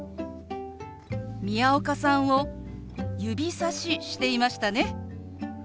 宮岡さんを指さししていましたね。